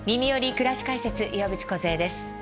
くらし解説」岩渕梢です。